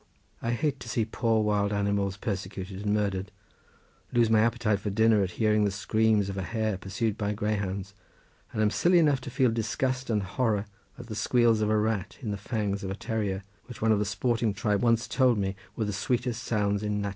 I hate to see poor wild animals persecuted and murdered, lose my appetite for dinner at hearing the screams of a hare pursued by greyhounds, and am silly enough to feel disgust and horror at the squeals of a rat in the fangs of a terrier, which one of the sporting tribe once told me were the sweetest sounds in "natur."